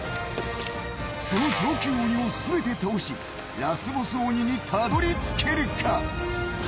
その上級鬼を全て倒し、ラスボス鬼にたどり着けるか。